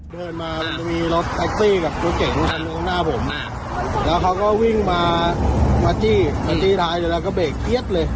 เดินมามันจะมีรถแท็กซี่กับตัวเก่งข้างหน้าผมแล้วเขาก็วิ่งมาจี้ท้ายแล้วก็เบรกเพี้ยดเลย